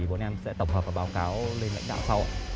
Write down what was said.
bọn em sẽ tổng hợp và báo cáo lên lãnh đạo sau ạ